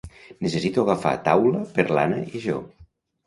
Necessito agafar taula per l'Anna i jo.